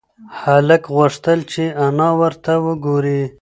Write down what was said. هلک غوښتل چې انا ورته وگوري.